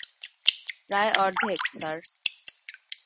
প্রায় অর্ধেক, স্যার।